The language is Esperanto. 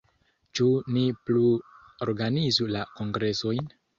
Ĉu ni plu organizu la kongresojn?